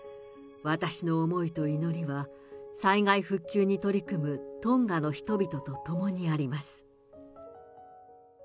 私の思いと祈りは、災害復旧に取り組むトンガの人々とともにあります。